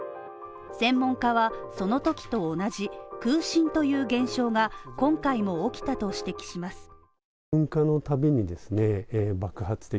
専門家はそのときと同じ空振という現象が、今回も起きたと指摘します。